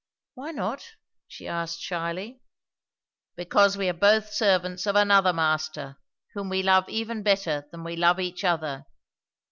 "Why not?" she asked shyly. "Because we are both servants of another Master, whom we love even better than we love each other."